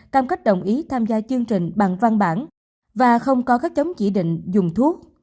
cam kết đồng ý tham gia chương trình bằng văn bản và không có các chống chỉ định dùng thuốc